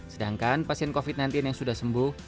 sedangkan pasien covid sembilan belas yang sudah sembuh